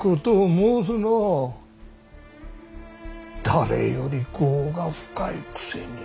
誰より業が深いくせに。